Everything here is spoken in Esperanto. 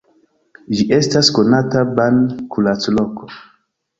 Ĝi estas konata ban-kuracloko.